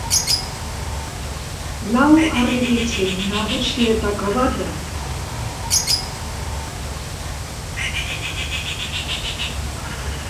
Lau harribitxi nagusietako bat da.